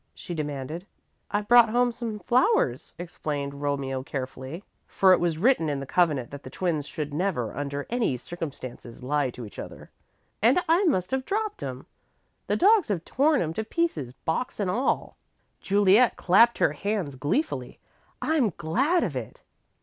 she demanded. "I brought home some flowers," explained Romeo, carefully, for it was written in the covenant that the twins should never, under any circumstances, lie to each other, "and I must have dropped 'em. The dogs have torn 'em to pieces, box and all." Juliet clapped her hands gleefully. "I'm glad of it!"